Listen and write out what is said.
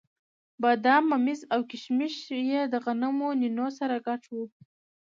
بادام، ممیز او کېشمش یې د غنمو نینو سره ګډ وو.